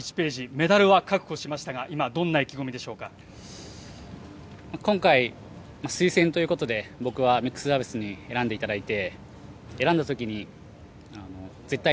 メダルは確保しましたが今回、推薦ということで僕はミックスダブルスに選んでいただいて。